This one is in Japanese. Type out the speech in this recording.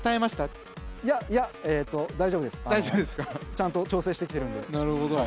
ちゃんと調整して来てるんで。